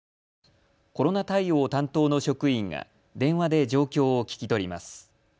コロナ対応担当の職員が電話で状況を聞き取ります。